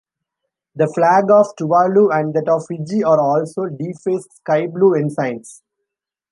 The flag of Tuvalu and that of Fiji are also defaced sky blue ensigns.